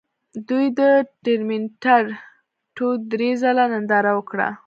دوی د ټرمینیټر ټو درې ځله ننداره وکړه